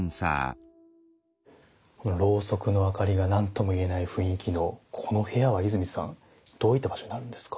ろうそくの明かりが何とも言えない雰囲気のこの部屋は伊住さんどういった場所なんですか？